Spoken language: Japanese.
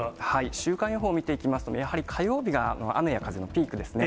週間予報を見ていきますと、やはり火曜日が雨や風のピークですね。